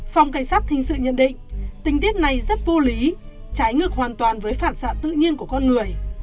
phòng cảnh sát thính sự nhận định tính tiết này rất vô lý cháy ngược hoàn toàn với phản xạ tự nhiên của con người